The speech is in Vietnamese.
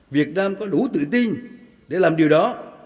việt nam có đủ tự tin để làm điều đó